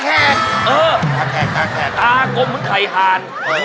ตาแหกตากลมเหมือนไข่ห่าน